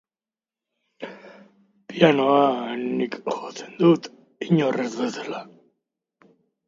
Pianorako sortutako pieza berriak bertan erakutsiko ditu.